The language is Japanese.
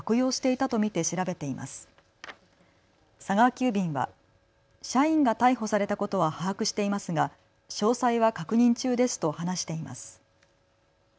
急便は社員が逮捕されたことは把握していますが詳細は確認中ですと話しています。